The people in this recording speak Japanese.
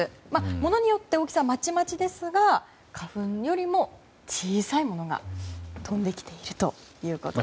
ものによって大きさはまちまちですが花粉よりも小さいものが飛んできているということです。